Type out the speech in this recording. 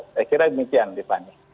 saya kira demikian dipani